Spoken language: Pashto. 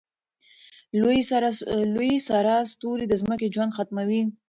لوی سره ستوری د ځمکې ژوند ختموي.